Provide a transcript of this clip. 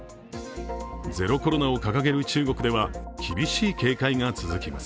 ゼロコロナを掲げる中国では厳しい警戒が続きます。